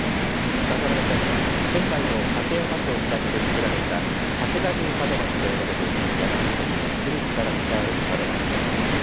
飾られたのは県内の竹や松を使って作られた武田流門松と呼ばれる、山梨県に古くから伝わる門松です。